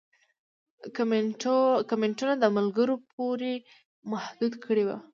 کمنټونه د ملګرو پورې محدود کړي وو